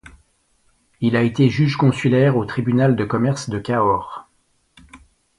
Il a été juge consulaire au tribunal de commerce de Cahors.